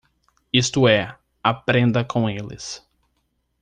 Isto é, aprenda com eles.